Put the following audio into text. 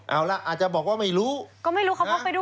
เอาล่ะอาจจะบอกว่าไม่รู้ก็ไม่รู้เขาพกไปด้วย